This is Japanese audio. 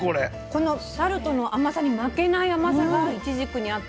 このタルトの甘さに負けない甘さがいちじくにあって。